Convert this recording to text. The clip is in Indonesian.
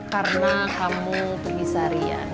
karena kamu pergi seharian